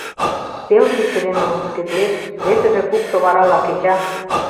Пел кидше дене лупшкедылеш, весыже кукшо варала кеча.